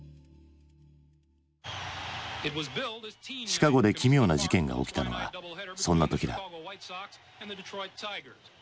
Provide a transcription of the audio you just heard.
シカゴで奇妙な事件が起きたのはそんな時だ。